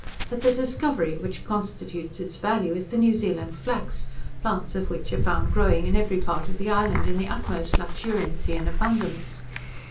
But the discovery which constitutes its value is the New Zealand flax, plants of which are found growing in every part of the island in the utmost luxuriancy and abundance.